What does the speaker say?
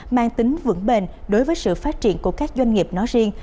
mang tính vững bền đối với sự phát triển của các doanh nghiệp nói riêng